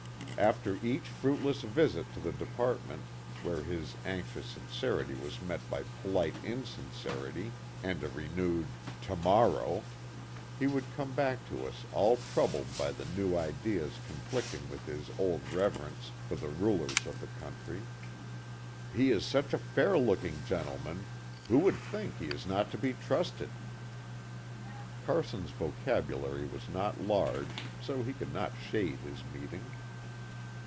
After each fruitless visit to the Department where his anxious sincerity was met by polite insincerity and a renewed 4 KIT CARSON. "to morrow," he would come back to us all troubled by the new ideas conflicting with his old reverence for the rulers of the country. "He is such a fair looking gentleman who would think he is not to be trusted !" (Carson's vocabulary was not large, so he could not shade his meaning.)